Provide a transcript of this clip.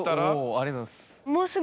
ありがとうございます。